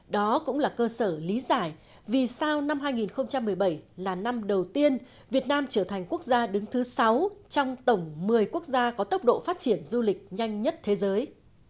đó cũng là cơ sở lý giải vì sao năm hai nghìn một mươi bảy là năm đầu tiên việt nam trở thành quốc gia đứng thứ sáu trong tổng một mươi quốc gia có tốc độ phát triển du lịch nhanh nhất thế giới